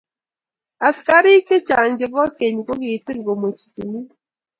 Askariik chechang chebo keny kokitil komwechi timin.